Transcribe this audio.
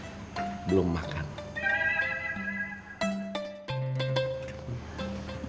mengambil sesuatu apa apa mengambil sesuatu apa apa